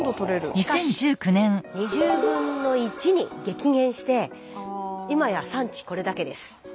しかし２０分の１に激減して今や産地これだけです。